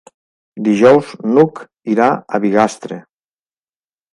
Dijous n'Hug irà a Bigastre.